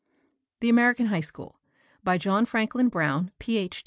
["The American High School." By John Franklin Brown, Ph.